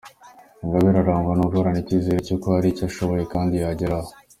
Ingabire arangwa no guhorana icyizere cy’uko hari icyo ashoboye kandi yageraho.